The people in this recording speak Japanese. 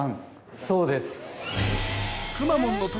そうです。